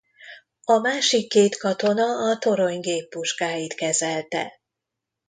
A másik két katona a torony géppuskáit kezelte.